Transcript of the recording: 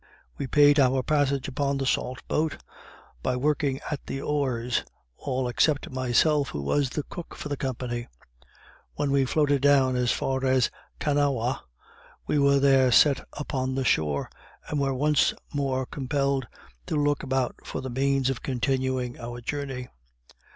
We paid our passage upon the salt boat, by working at the oars, all except myself, who was the cook for the company. When we floated down as far as Kanawha we were there set upon the shore, and were once more compelled to look about for the means of continuing our journey.